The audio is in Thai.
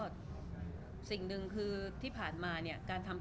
รูปนั้นผมก็เป็นคนถ่ายเองเคลียร์กับเรา